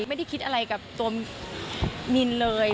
ไม่ได้คิดอะไรกับตัวนินเลย